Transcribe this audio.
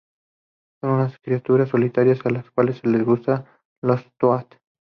Son unas criaturas solitarias a las cuales no les gustan los Toad.